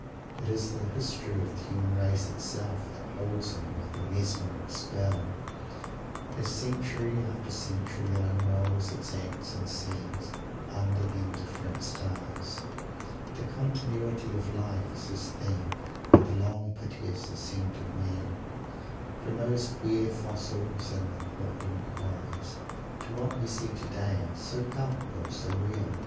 It is the history of the human race itself that holds him with a mesmeric spell, as century after century it unrolls its acts and scenes, under the indifferent stars. The continuity of life! The long, piteous "ascent of man," from those queer fossils in the Portland Quarries to what we see today, so palpable, so real!